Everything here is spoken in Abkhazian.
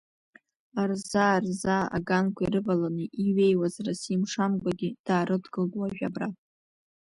Рзаа-рзаа аганқәа ирываланы иҩеиуаз Расим Шангәагьы даарыдгылт уажә абра.